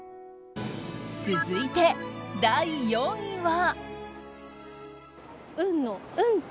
続いて、第４位は。